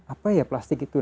apa ya plastik itu